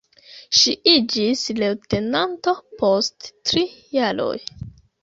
Ŝi iĝis leŭtenanto, post tri jaroj.